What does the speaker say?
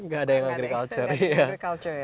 gak ada yang agriculture